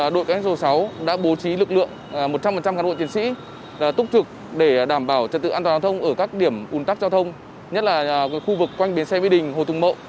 đội cánh số sáu đã bố trí lực lượng một trăm linh cán bộ tiến sĩ túc trực để đảm bảo trật tự an toàn giao thông ở các điểm ủn tắc giao thông nhất là khu vực quanh biến xe mỹ đình hồ thùng mộ